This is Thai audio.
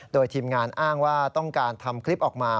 โดยทีมงานอ้างว่าต้องการทำคลิปออกมา